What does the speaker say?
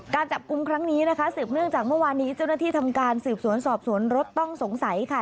การจับกลุ่มครั้งนี้นะคะสืบเนื่องจากเมื่อวานนี้เจ้าหน้าที่ทำการสืบสวนสอบสวนรถต้องสงสัยค่ะ